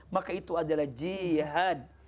maka itu adalah jihad